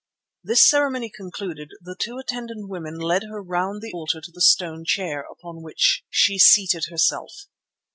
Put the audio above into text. This ceremony concluded, the two attendant women led her round the altar to the stone chair, upon which she seated herself.